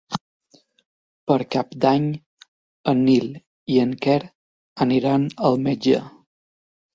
Per Cap d'Any en Nil i en Quer aniran al metge.